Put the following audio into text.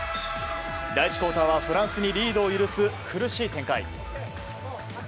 第１クオーターはフランスにリードを許す苦しい展開。